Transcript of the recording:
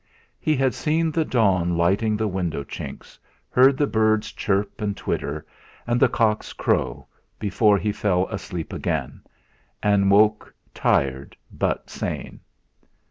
He had seen the dawn lighting the window chinks, heard the birds chirp and twitter, and the cocks crow, before he fell asleep again, and awoke tired but sane.